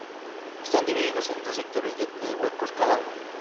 Están divididos en dos sectores de tres huecos cada uno.